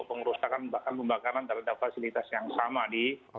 pengurusakan pembakaran terhadap fasilitas yang sama di